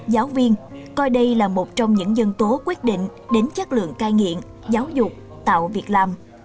giáo viên coi đây là một trong những dân tố quyết định đến chất lượng cai nghiện giáo dục tạo việc làm